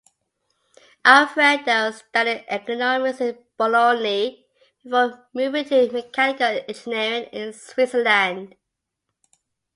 Alfredo studied economics in Bologna before moving to mechanical engineering in Switzerland.